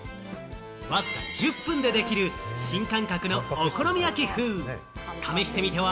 わずか１０分でできる新感覚のお好み焼き風、試してみては？